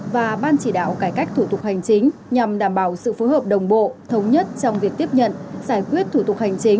và ban chỉ đạo cải cách thủ tục hành chính nhằm đảm bảo sự phối hợp đồng bộ thống nhất trong việc tiếp nhận giải quyết thủ tục hành chính